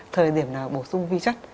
thời điểm nào bổ sung vi chất